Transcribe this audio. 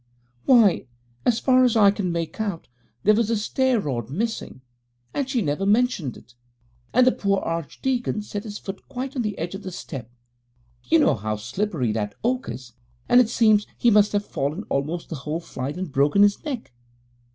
'Why, as far as I can make out, there was a stair rod missing, and she never mentioned it, and the poor archdeacon set his foot quite on the edge of the step you know how slippery that oak is and it seems he must have fallen almost the whole flight and broken his neck.